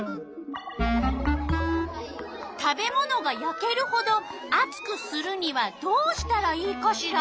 食べ物がやけるほどあつくするにはどうしたらいいかしら？